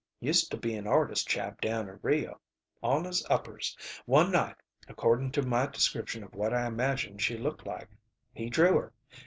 "Used to be an artist chap down in Rio. On his uppers. One night, according to my description of what I imagined she looked like, he drew her.